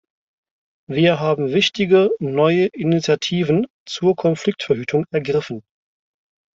Wir haben wichtige neue Initiativen zur Konfliktverhütung ergriffen.